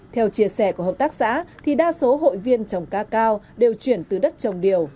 theo chia sẻ của hợp tác xã thì đa số hội viên trồng ca cao đều chuyển từ đất trồng điều